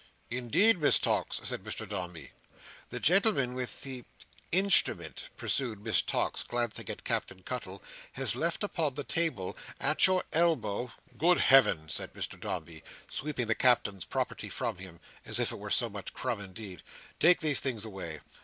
"Indeed, Miss Tox!" said Mr Dombey. "The gentleman with the—Instrument," pursued Miss Tox, glancing at Captain Cuttle, "has left upon the table, at your elbow—" "Good Heaven!" said Mr Dombey, sweeping the Captain's property from him, as if it were so much crumb indeed. "Take these things away.